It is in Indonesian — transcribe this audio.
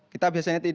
kita biasanya tidur